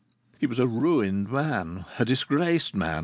He was a ruined man, a disgraced man.